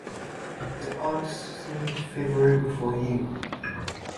The odds seemed favourable for him.